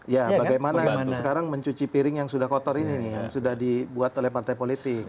ya bagaimana sekarang mencuci piring yang sudah kotor ini nih yang sudah dibuat oleh partai politik